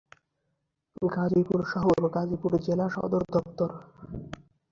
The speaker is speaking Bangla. গাজীপুর শহর গাজীপুর জেলা সদরদপ্তর।